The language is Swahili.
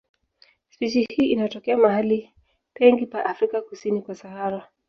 Spishi hii inatokea mahali pengi pa Afrika kusini kwa Sahara.